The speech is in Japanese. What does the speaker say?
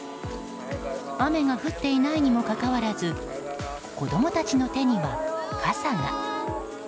雨が降っていないにもかかわらず子供たちの手には傘が。